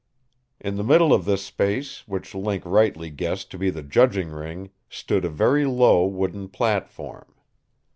In the middle of this space, which Link rightly guessed to be the judging ring, stood a very low wooden platform.